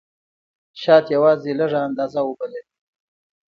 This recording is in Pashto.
شات یوازې لږه اندازه اوبه لري.